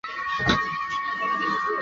方位是各方向的位置。